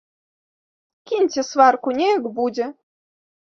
Кіньце сварку, неяк будзе!